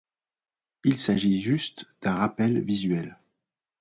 Il s'agit juste d’un rappel visuel.